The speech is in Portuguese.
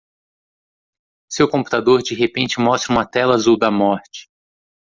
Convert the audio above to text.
Seu computador de repente mostra uma tela azul da morte.